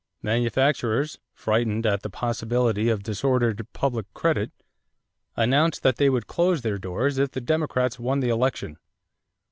Manufacturers, frightened at the possibility of disordered public credit, announced that they would close their doors if the Democrats won the election.